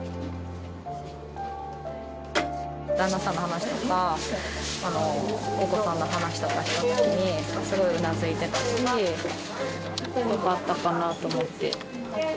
旦那さんの話とか、お子さんの話をしたときに、すごいうなずいてたし、よかったかなと思って。